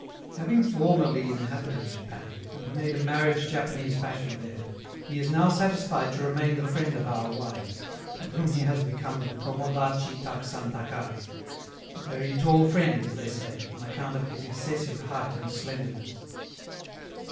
Having formerly inhabited Japan, and made a marriage Japanese fashion there, he is now satisfied to remain the friend of our wives, of whom he has become the 'Komodachi taksan takai' ("the very tall friend," as they say, on account of his excessive height and slenderness).